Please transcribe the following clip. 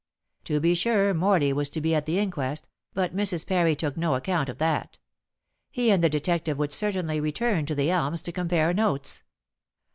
To be sure Morley was to be at the inquest, but Mrs. Parry took no account of that. He and the detective would certainly return to The Elms to compare notes.